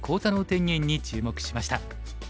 天元に注目しました。